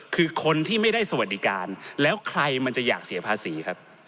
คือคนที่ไม่ได้สวัสดิการแล้วใครมันจะอยากเสียภาษีครับ